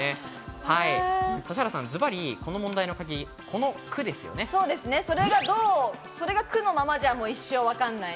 指原さん、ずばりこの問題のそれが「く」のままじゃ、一生わかんない。